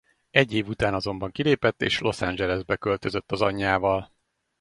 Egy év után azonban kilépett és Los Angelesbe költözött az anyjával.